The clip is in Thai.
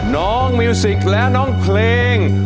มิวสิกและน้องเพลง